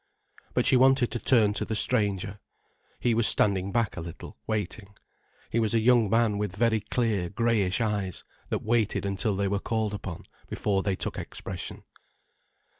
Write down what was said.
But she wanted to turn to the stranger. He was standing back a little, waiting. He was a young man with very clear greyish eyes that waited until they were called upon, before they took expression.